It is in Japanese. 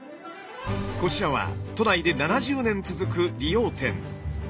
こちらは都内で７０年続く理容店。